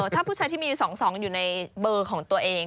ถ้าผู้ชายที่มี๒๒อยู่ในเบอร์ของตัวเอง